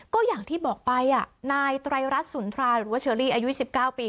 ก็อย่างที่บอกไปนายไตรรัฐสุนทราหรือว่าเชอรี่อายุ๑๙ปี